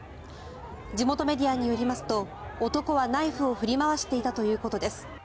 地元メディアによりますと男はナイフを振り回していたということです。